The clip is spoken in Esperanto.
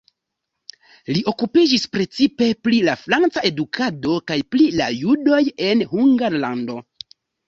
Li okupiĝis precipe pri la franca edukado kaj pri la judoj en Hungarlando.